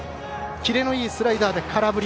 キレのいいスライダーで空振り。